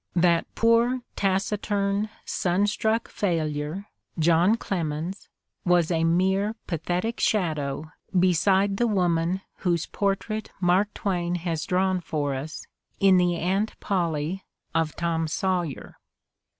That poor, taciturn, sunstruck failure, John Clemens, was a mere pathetic shadow beside the woman whose portrait Mark Twain has drawn for us in the Aunt Polly of "Tom Sawyer."